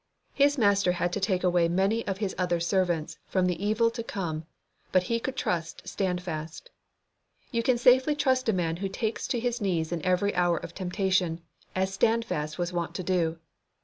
His Master had to take away many of His other servants from the evil to come, but He could trust Standfast. You can safely trust a man who takes to his knees in every hour of temptation, as Standfast was wont to do.